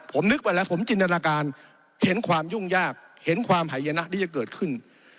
ผมนึกไปแล้วผมจินตนาการเห็นความยุ่งยากเห็นความหายนะที่จะเกิดขึ้น